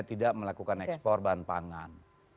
tidak melakukan ekspor bahan pangan